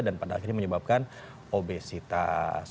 dan pada akhirnya menyebabkan obesitas